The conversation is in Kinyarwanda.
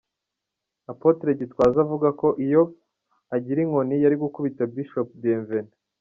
Apotre Gitwaza avuga ko iyo agira inkoni yari gukubita Bishop Bienvenue.